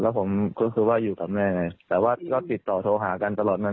แล้วผมก็คือว่าอยู่กับแม่ไงแต่ว่าก็ติดต่อโทรหากันตลอดมา